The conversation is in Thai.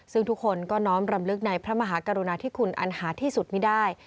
ซึ่งทุกคนก็น้อมรำลึกในพระมหากรุณาธิคุณอันหาที่สุดไม่ได้